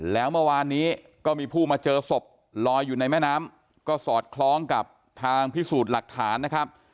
แล้วเมื่อวานนี้ก็มีผู้มาเจอศพลอยอยู่ในแม่น้ำก็สอดคล้องกับทางพิสูจน์หลักฐานนะครับ